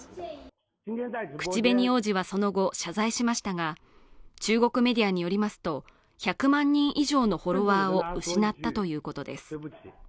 口紅王子はその後謝罪しましたが中国メディアによりますと１００万人以上のフォロワーを失ったということです